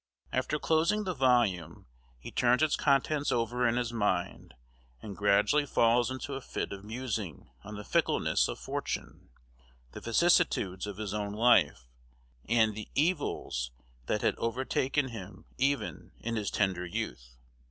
After closing the volume he turns its contents over in his mind, and gradually falls into a fit of musing on the fickleness of fortune, the vicissitudes of his own life, and the evils that had overtaken him even in his tender youth.